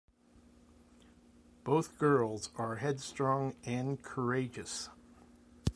Both girls are headstrong and courageous.